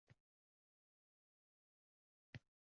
Ot tuyogʼi yuragimni bosib-bosib kelaverdi…